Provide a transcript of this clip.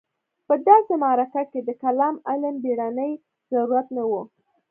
په داسې معرکه کې د کلام علم بېړنی ضرورت نه و.